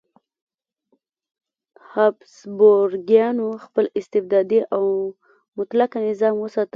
هابسبورګیانو خپل استبدادي او مطلقه نظام وساته.